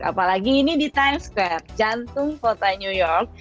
apalagi ini di times square jantung kota new york